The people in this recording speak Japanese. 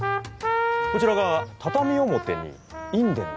こちらが畳表に印伝の鼻緒だ。